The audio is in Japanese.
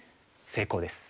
成功です。